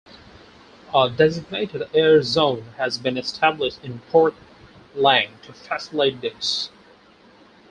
A designated air-zone has been established in Port Klang to facilitate this.